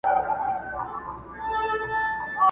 نن هغه توره د ورور په وينو سره ده!